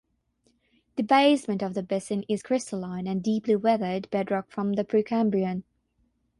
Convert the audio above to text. The basement of the basin is crystalline and deeply weathered bedrock from the Precambrian.